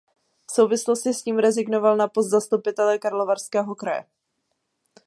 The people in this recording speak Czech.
V souvislosti s tím rezignoval na post zastupitele Karlovarského kraje.